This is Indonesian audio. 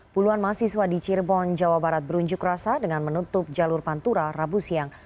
puluhan mahasiswa di cirebon jawa barat berunjuk rasa dengan menutup jalur pantura rabu siang